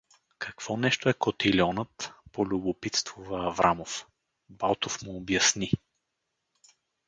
— Какво нещо е котильонът? — полюбопитствува Аврамов. Балтов му обясни.